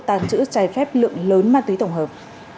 tàng trữ trái phép lượng lớn ma túy tổng hợp